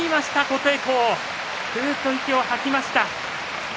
琴恵光ふうっと息を吐きました。